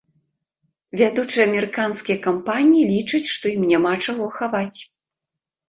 Вядучыя амерыканскія кампаніі лічаць, што ім няма чаго хаваць.